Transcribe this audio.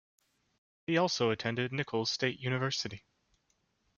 He also attended Nicholls State University.